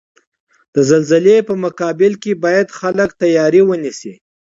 د زلزلزلې په مقابل کې باید خلک تیاری ونیسئ.